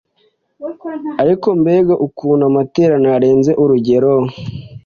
Ariko mbega ukuntu amateraniro arenze urugero